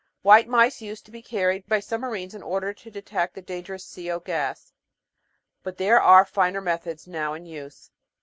White mice used to be carried by submarines in order to detect the dangerous CO gas; but there are finer methods now in use.